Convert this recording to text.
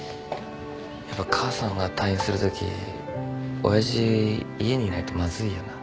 やっぱ母さんが退院するとき親父家にいないとまずいよな。